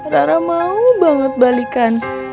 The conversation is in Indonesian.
rara mau banget balikan